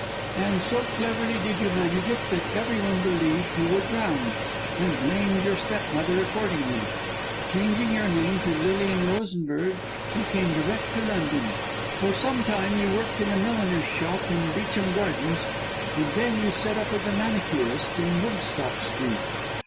And so cleverly did you manage it, that every one believed you were drowned, and blamed your stepmother accordingly. Changing your name to Lilian Rosenberg you came direct to London. For some time you worked in a milliner's shop in Beauchamp Gardens, and then you set up as a manicurist in Woodstock Street.